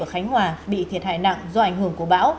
ở khánh hòa bị thiệt hại nặng do ảnh hưởng của bão